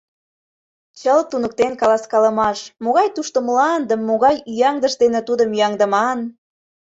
— Чылт туныктен каласкалымаш: могай тушто мланде, могай ӱяҥдыш дене тудым ӱяҥдыман...